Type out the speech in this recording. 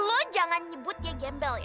lo jangan nyebut dia gembel ya